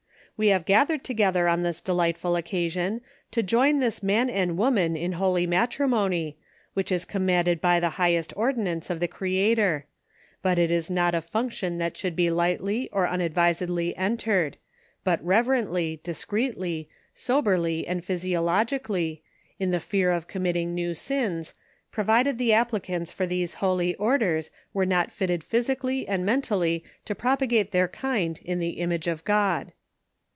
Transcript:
" We have gathered together on this delightful occasion to join this man and woman in holy matrimony, which is commanded by the highest ordinance of the Creator ; but it is not a function that should be lightly or unadvisedly entered ; but reverently, discreetly, soberly and physiologi cally, in the fear of committing new sins, provided the ap plicants for these holy orders were not fitted physically and mentally to propagate their kind in the image of God.